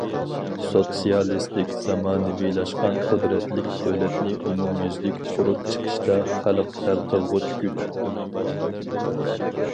سوتسىيالىستىك زامانىۋىلاشقان قۇدرەتلىك دۆلەتنى ئومۇميۈزلۈك قۇرۇپ چىقىشتا خەلق ھەل قىلغۇچ كۈچ.